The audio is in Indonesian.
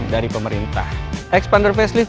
da masih kenang